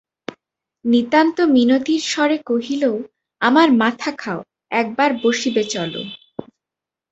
নিতান্ত মিনতির স্বরে কহিল, আমার মাথা খাও, একবার বসিবে চলো।